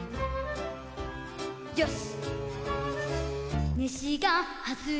よし。